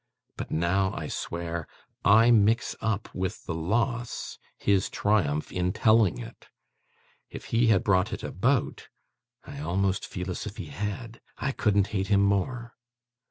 But now, I swear, I mix up with the loss, his triumph in telling it. If he had brought it about, I almost feel as if he had, I couldn't hate him more.